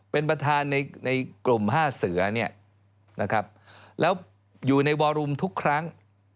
เป็นประธานในกลุ่ม๕เสือเนี่ยนะครับแล้วอยู่ในวอรุมทุกครั้ง